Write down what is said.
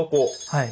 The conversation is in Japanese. はい。